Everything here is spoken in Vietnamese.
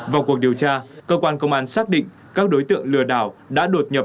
vào cuộc điều tra cơ quan công an xác định các đối tượng lừa đảo đã đột nhập